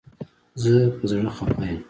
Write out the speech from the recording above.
زه په زړه خپه یم